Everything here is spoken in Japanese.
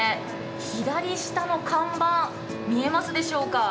左下の看板、見えますでしょうか。